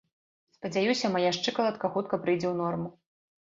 Спадзяюся, мая шчыкалатка хутка прыйдзе ў норму.